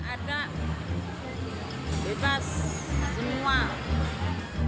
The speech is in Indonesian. nggak ada bebas semua